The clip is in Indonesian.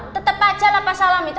tetep aja lapar salam itu